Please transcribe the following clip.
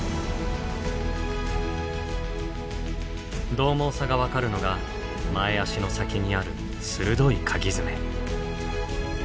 どう猛さが分かるのが前足の先にある鋭いかぎ爪。